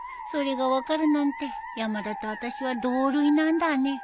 それが分かるなんて山田とあたしは同類なんだね